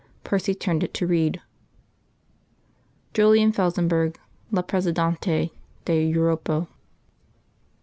Percy turned it to read: "JULIAN FELSENBURGH, LA PREZIDANTE DE UROPO."